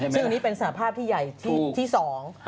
ซึ่งอันนี้เป็นสหภาพที่ใหญ่ที่สอง